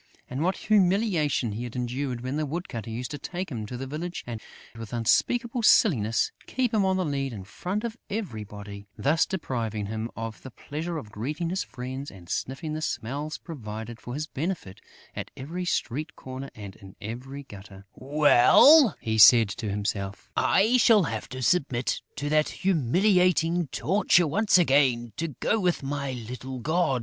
And what humiliation he endured when the woodcutter used to take him to the village and, with unspeakable silliness, keep him on the lead in front of everybody, thus depriving him of the pleasure of greeting his friends and sniffing the smells provided for his benefit at every street corner and in every gutter: "Well," he said to himself, "I shall have to submit to that humiliating torture once again, to go with my little god!"